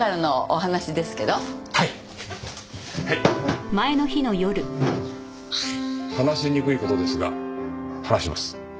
話しにくい事ですが話します。